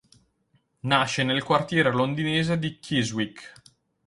Nasce nel quartiere londinese di Chiswick.